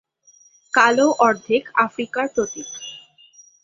কালো অর্ধেক আফ্রিকার প্রতীক।